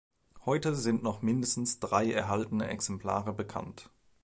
Heute sind noch mindestens drei erhaltene Exemplare bekannt.